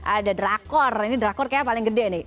ada drakor ini drakor kayaknya paling gede nih